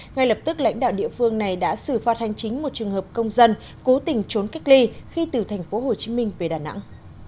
ngay lập tức lãnh đạo địa phương này đã xử phạt hành chính một trường hợp công dân cố tình trốn cách ly khi từ tp hcm về đà nẵng